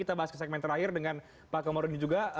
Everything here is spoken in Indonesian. kita bahas ke segmen terakhir dengan pak komarudin juga